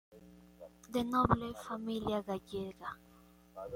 De noble familia gallega.